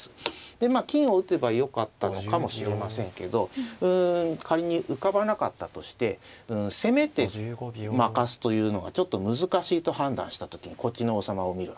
でまあ金を打てばよかったのかもしれませんけどうん仮に浮かばなかったとして攻めて負かすというのがちょっと難しいと判断した時にこっちの王様を見るわけです人はね。